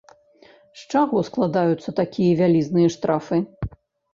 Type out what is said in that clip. З чаго складаюцца такія вялізныя штрафы?